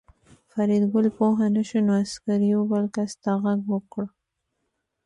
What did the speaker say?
فریدګل پوه نه شو نو عسکر یو بل کس ته غږ وکړ